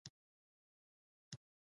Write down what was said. زه د دې کور زنداني يم.